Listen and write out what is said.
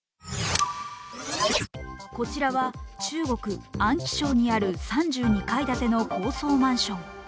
こちらは中国・安徽省にある３２階建ての高層マンション。